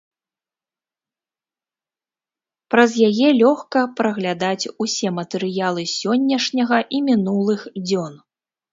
Праз яе лёгка праглядаць усе матэрыялы сённяшняга і мінулых дзён.